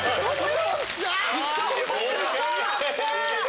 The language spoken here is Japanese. よっしゃ！